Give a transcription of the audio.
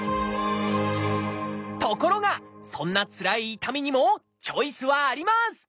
ところがそんなつらい痛みにもチョイスはあります！